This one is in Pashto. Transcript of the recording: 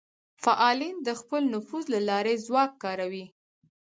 فعالین د خپل نفوذ له لارې ځواک کاروي